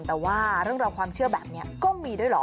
แต่ว่าเรื่องราวความเชื่อแบบนี้ก็มีด้วยเหรอ